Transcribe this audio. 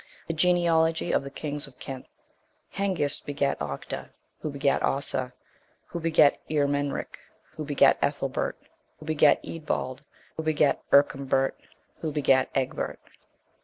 THE GENEALOGY OF THE KINGS OF KENT. 58. Hengist begat Octa, who begat Ossa, who begat Eormenric, who begat Ethelbert, who begat Eadbald, who begat Ercombert, who begat Egbert.